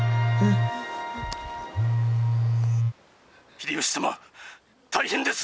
「秀吉様大変です！」。